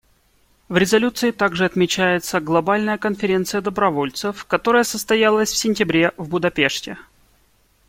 В резолюции также отмечается Глобальная конференция добровольцев, которая состоялась в сентябре в Будапеште.